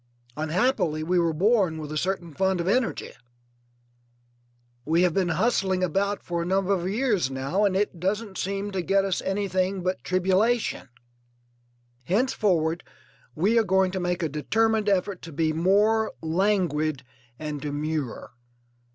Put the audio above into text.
Unhappily, we were born with a certain fund of energy. We have been hustling about for a number of years now, and it doesn't seem to get us anything but tribulation. Henceforward we are going to make a determined effort to be more languid and demure.